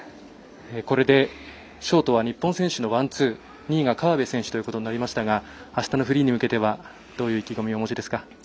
これでショートは日本選手のワンツー２位が河辺選手ということになりましたがあしたのフリーに向けてはどういう意気込みをお持ちですか。